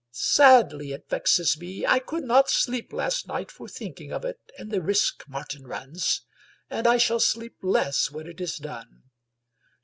'' Sadly it vexes me. I could not sleep last night lot thinking of it> and the risk Martin runs. And I shall sleep less when it is done."